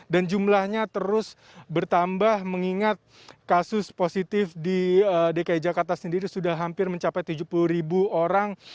dan jumlahnya terus bertambah mengingat kasus positif di dki jakarta sendiri sudah hampir mencapai tujuh puluh ribu orang